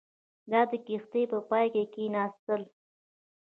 دا د کښتۍ په پای کې کښېناستله.